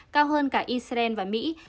cao hơn cả israel và mỹ